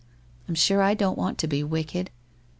I'm sure I don't want to be wicked.